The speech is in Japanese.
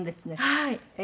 はい。